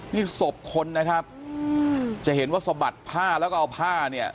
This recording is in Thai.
นี่ศพคนนะครับจะเห็นว่าสะบัดผ้าแล้วก็เอาผ้าเนี่ย